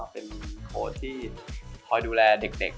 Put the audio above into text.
เป็นโครตที่พบดุแลเด็ก